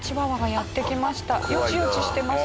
よちよちしてます。